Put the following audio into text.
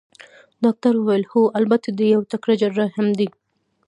ډاکټر وویل: هو، البته دی یو تکړه جراح هم دی.